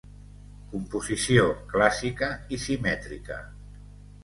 Composició clàssica i simètrica.